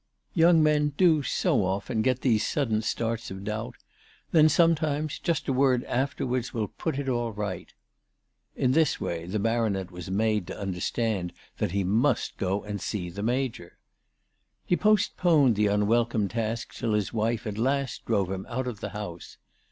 Young men do so often get these sudden starts of doubt. Then, some times, just a word afterwards will put it all right." In ALICE DUGDALE. 395 this way the Baronet was made to understand that he must go and see the Major. He postponed the unwelcome task till his wife at last drove him out of the house.